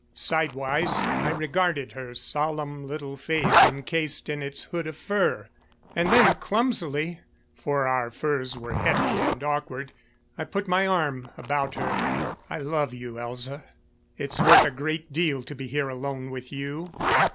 Sidewise, I regarded her solemn little face encased in its hood of fur. And then clumsily, for our furs were heavy and awkward, I put my arm about her. "I love you, Elza. It's worth a great deal to be here alone with you."